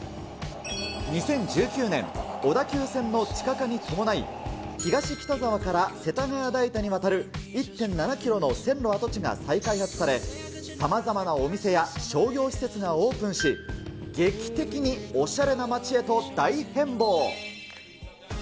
２０１９年、小田急線の地下化に伴い、東北沢から世田谷代田にわたる１．７キロの線路跡地が再開発され、さまざまなお店や商業施設がオープンし、劇的におしゃれな街へと大変貌。